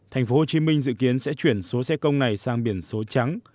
tp hcm dự kiến sẽ chuyển số xe công này sang biển số trắng